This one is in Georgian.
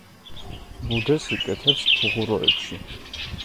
ბუდეს იკეთებს ფუღუროებში.